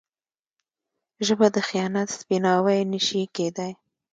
ژبه د خیانت سپیناوی نه شي کېدای.